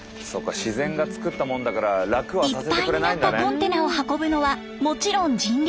いっぱいになったコンテナを運ぶのはもちろん人力。